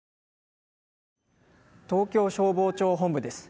東京消防庁本部です。